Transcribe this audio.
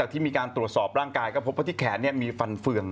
ที่มีการตรวจสอบร่างกายก็พบว่าที่แขนมีฟันเฟือง